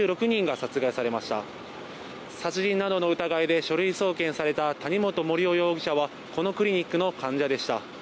殺人などの疑いで書類送検された谷本盛雄容疑者はこのクリニックの患者でした。